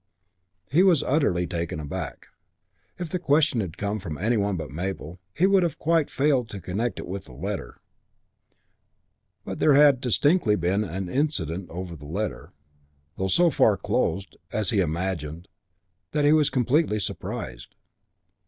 He was utterly taken aback. If the question had come from any one but Mabel, he would have quite failed to connect it with the letter. But there had distinctly been an "incident" over the letter, though so far closed, as he had imagined, that he was completely surprised.